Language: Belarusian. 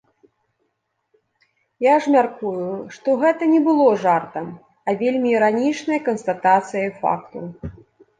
Я ж мяркую, што гэта не было жартам, а вельмі іранічнай канстатацыяй факту.